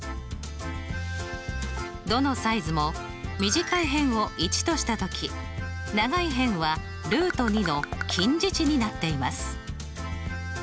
どのサイズも短い辺を１とした時長い辺はの近似値になっています。